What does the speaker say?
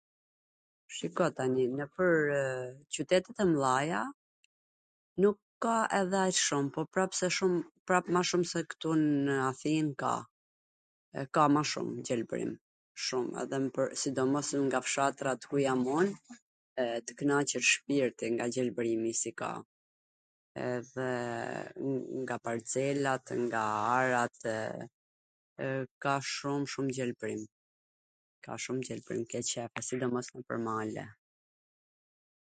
Shiko tani, nwpwr qytetet e mdhaja nuk ka edhe aq shum, po prap se shum... prap ma shum se ktu nw Athin ka, ka ma shum gjelbrim, shum, sidomos nga fshatrat ku jam un, e t knaqet shpirti nga gjelbrimi si ka, edhe nga parcelat, nga aratw, ka shum shum gjelbrim, ka shum gjelbrim, ke qef, po sidomos nwpwr male.